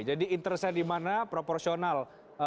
jadi interestnya di mana proporsional